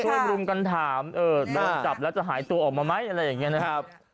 มารุมกันถามโดนจับแล้วจะหายตัวออกมาไหมอะไรอย่างนี้นะครับ